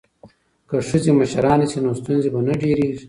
که ښځې مشرانې شي نو ستونزې به نه ډیریږي.